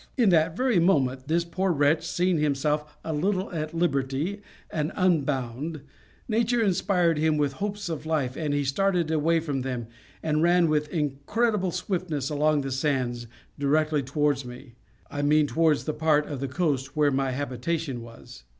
In that very moment, this poor wretch seeing himself a little at liberty and unbound, nature inspired him with hopes of life, and he started away from them, and ran with incredible swiftness along the sands, directly towards me; I mean towards that part of the coast where my habitation was.